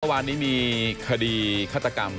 วันนี้มีคดีฆาตกรรม